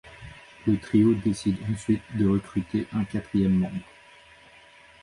Le trio décide ensuite de recruter un quatrième membre.